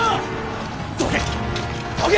どけ！